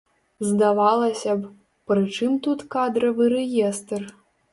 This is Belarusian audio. Здавалася б, пры чым тут кадравы рэестр?